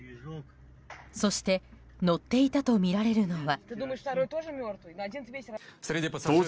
そして乗っていたとみられるのは。